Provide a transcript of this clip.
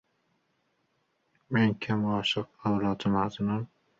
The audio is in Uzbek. Men kim? Oshiq, Avlodi Majnun.